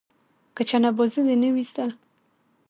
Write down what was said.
که چنه بازي دې نه وي زده.